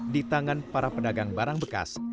di tangan para pedagang barang bekas